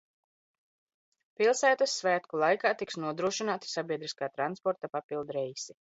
Pilsētas svētku laikā tiks nodrošināti sabiedriskā transporta papildreisi.